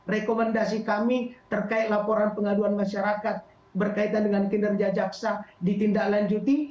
rekomendasi kami terkait laporan pengaduan masyarakat berkaitan dengan kinerja jaksa ditindaklanjuti